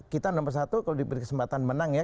kita nomor satu kalau diberi kesempatan menang ya